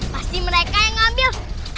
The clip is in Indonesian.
pasti mereka yang ngambil